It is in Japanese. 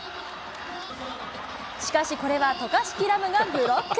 しかしこれは渡嘉敷来夢がブロック。